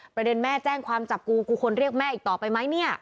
ประเด็นแม่แจ้งความจับกูกูควรเรียกแม่อีกต่อไปไหมเนี่ย